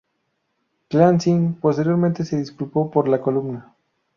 Clancy posteriormente se disculpó por la columna.